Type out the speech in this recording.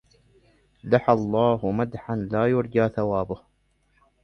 لحى الله مدحاً لا يرجى ثوابه